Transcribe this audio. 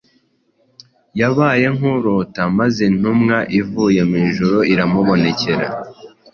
yabaye nk’urota maze intumwa ivuye mu ijuru iramubonekera